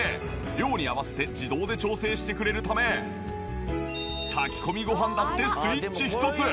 量に合わせて自動で調整してくれるため炊き込みごはんだってスイッチ１つ。